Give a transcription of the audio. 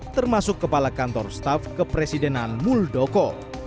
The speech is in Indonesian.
termasuk kepala kantor staff kepresidenan muldoko